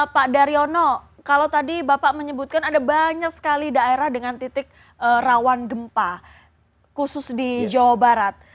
pak daryono kalau tadi bapak menyebutkan ada banyak sekali daerah dengan titik rawan gempa khusus di jawa barat